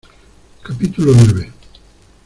capítulo nueve.